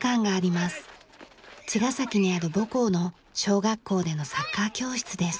茅ヶ崎にある母校の小学校でのサッカー教室です。